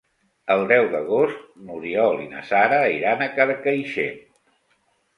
El deu d'agost n'Oriol i na Sara iran a Carcaixent.